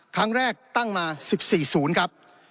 ครั้งแรกตั้งมา๑๔๐ครับ